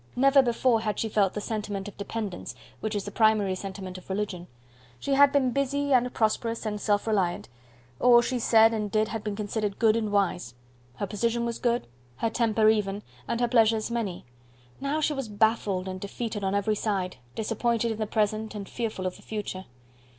Never before had she felt the sentiment of dependence, which is the primary sentiment of religion. She had been busy, and prosperous, and self reliant; all she said and did had been considered good and wise; her position was good, her temper even, and her pleasures many. Now she was baffled and defeated on every side disappointed in the present, and fearful of the future.